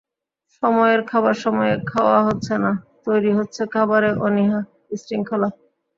সময়ের খাবার সময়ে খাওয়া হচ্ছে না, তৈরি হচ্ছে খাবারে অনীহা, বিশৃঙ্খলা।